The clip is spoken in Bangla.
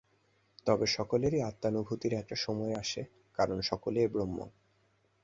তবে সকলের আত্মানুভূতির একটা সময় আসে, কারণ সকলেই ব্রহ্ম।